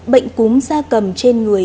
bệnh cúm da cầm trên người